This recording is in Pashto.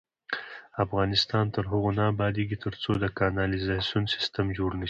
افغانستان تر هغو نه ابادیږي، ترڅو د کانالیزاسیون سیستم جوړ نشي.